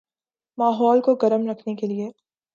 ماحول کو گرم رکھنے کے لئے